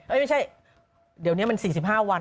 ไม่ใช่เดี๋ยวนี้มัน๔๕วัน